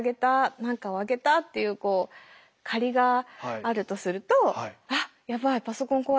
何かをあげたっていう借りがあるとすると「あやばいパソコン壊れた。